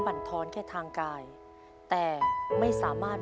เกมต่อชีวิตสูงสุด๑ล้านบาท